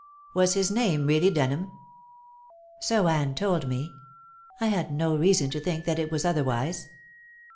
"Was his name really Denham?" "So Anne told me. I had no reason to think that it was otherwise.